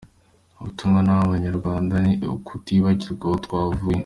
Ubutumwa naha abanyarwanda ni ukutibagirwa aho twavuye.